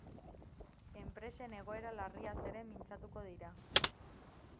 Enpresen egoera larriaz ere mintzatuko dira.